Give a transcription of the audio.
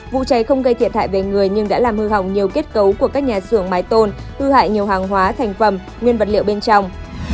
vụ cháy không gây thiệt hại về người nhưng đã làm hư hỏng nhiều kết cấu của các nhà xưởng mái tôn hư hại nhiều hàng hóa thành phẩm nguyên vật liệu bên trong